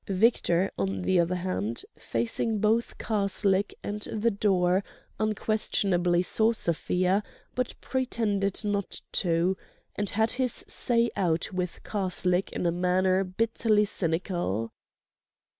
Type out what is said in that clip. Victor, on the other hand, facing both Karslake and the door, unquestionably saw Sofia, but pretended not to, and had his say out with Karslake in a manner bitterly cynical.